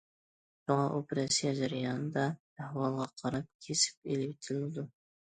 شۇڭا ئوپېراتسىيە جەريانىدا ئەھۋالغا قاراپ كېسىپ ئېلىۋېتىلىدۇ.